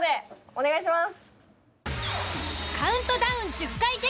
お願いします。